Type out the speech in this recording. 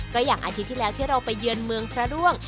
ก็อย่างอาทิตย์ที่แล้วที่เราไปเยือนเมืองพระร่วง